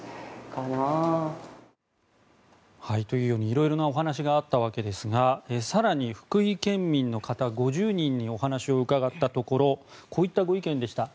いろいろなお話があったわけですが更に福井県民の方５０人にお話を伺ったところこういったご意見でした。